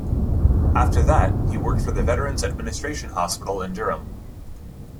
After that he worked for the Veterans Administration Hospital in Durham.